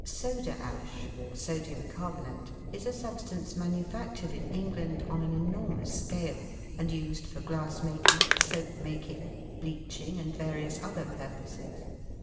Soda ash, or sodium carbonate, is a substance manu factured in England on an enormous scale and used for glass making, soap making, bleaching, and various other purposes.